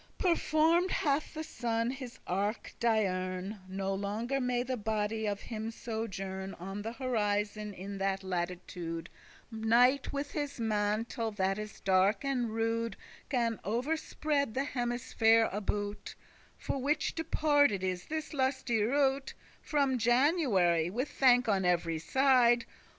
Performed hath the sun his arc diurn,* *daily No longer may the body of him sojourn On the horizon, in that latitude: Night with his mantle, that is dark and rude, Gan overspread the hemisphere about: For which departed is this *lusty rout* *pleasant company* From January, with thank on every side.